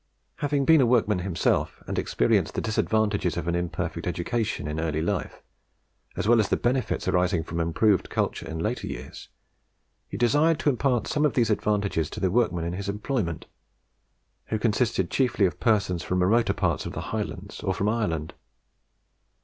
Having been a workman himself, and experienced the disadvantages of an imperfect education in early life, as well as the benefits arising from improved culture in later years, he desired to impart some of these advantages to the workmen in his employment, who consisted chiefly of persons from remote parts of the Highlands or from Ireland.